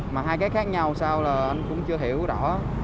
mà hai cái khác nhau sau là anh cũng chưa hiểu rõ